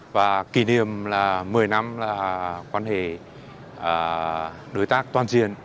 và kỷ niệm là một mươi năm quan hệ đối tác toàn diện